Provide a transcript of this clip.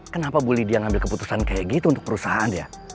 kenapa ibu lydia ngambil keputusan kayak gitu untuk perusahaan dia